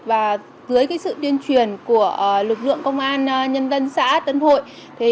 và dưới sự tuyên truyền của lực lượng công an nhân dân xã tân hội